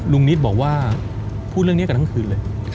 นิตบอกว่าพูดเรื่องนี้กันทั้งคืนเลย